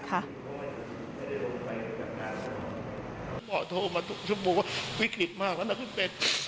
พ่อโทรมาทุกชั่วโมงว่าวิกฤตมากแล้วนะคุณเป็ด